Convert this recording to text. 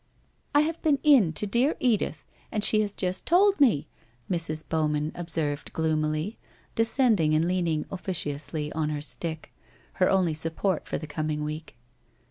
' I have been in to dear Edith, and she has just told me,' Mrs. Bowman observed gloomily, descending and lean ing officiously on her stick — her only support for the com ing week.